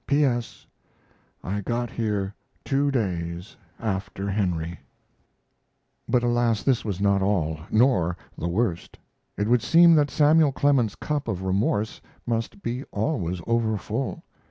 P. S. I got here two days after Henry. But, alas, this was not all, nor the worst. It would seem that Samuel Clemens's cup of remorse must be always overfull.